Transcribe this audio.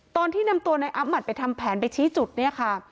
ตอนที่นำตัวในอัพหัดไปทำแผนไปชี้จุดเนี่ยค่ะ